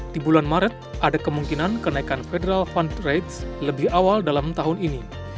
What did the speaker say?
di bulan maret ada kemungkinan kenaikan federal fund rate lebih awal dalam tahun ini